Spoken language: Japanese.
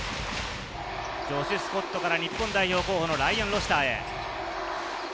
ジョシュ・スコットから日本代表候補のライアン・ロシターへ。